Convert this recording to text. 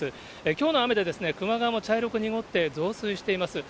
きょうの雨でですね、球磨川も茶色く濁って増水しています。